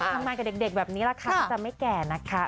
ทำงานกับเด็กแบบนี้ราคาก็จะไม่แก่นะคะ